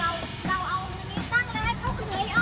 อาวุโมครับ